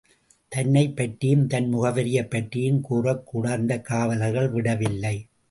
தன்னைப் பற்றியும் தன் முகவரியைப் பற்றியும் கூறக்கூட அந்த காவலர்கள் விடவில்லை.